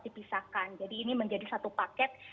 dipisahkan jadi ini menjadi satu paket